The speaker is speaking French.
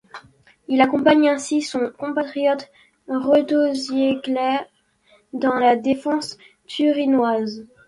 Il accompagne ainsi son compatriote Reto Ziegler dans la défense turinoise.